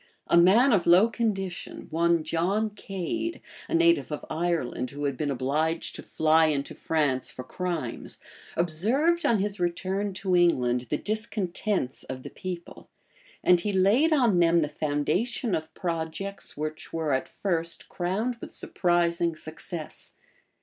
A man of low condition, one John Cade, a native of Ireland, who had been obliged to fly into France for crimes, observed, on his return to England, the discontents of the people; and he laid on them the foundation of projects which were at first crowned with surprising success.